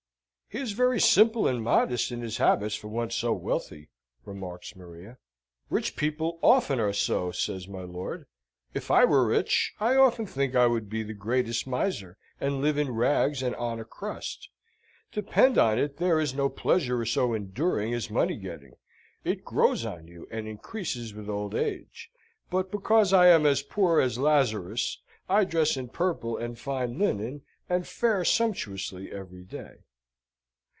"He is very simple and modest in his habits for one so wealthy," remarks Maria. "Rich people often are so," says my lord. "If I were rich, I often think I would be the greatest miser, and live in rags and on a crust. Depend on it there is no pleasure so enduring as money getting. It grows on you, and increases with old age. But because I am as poor as Lazarus, I dress in purple and fine linen, and fare sumptuously every day."